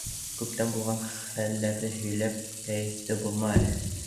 Күптән булған хәлдәрҙе һөйләп кәйефте боҙма әле.